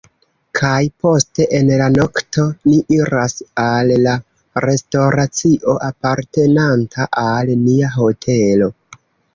kaj poste en la nokto, ni iras al la restoracio apartenanta al nia hotelo